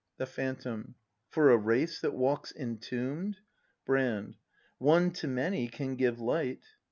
The Phantom. For a race that walks entomb 'd! Brand. One to many can give light.